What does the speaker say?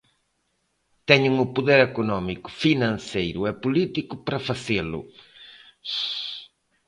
Teñen o poder económico, financeiro e político para facelo.